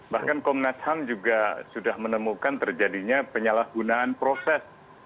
bahkan komnas ham juga sudah menemukan terjadinya penyalahgunaan proses